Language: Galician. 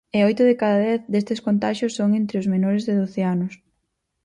E oito de cada dez destes contaxios son entre os menores de doce anos.